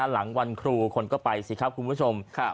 หลังวันครูคนก็ไปสิครับคุณผู้ชม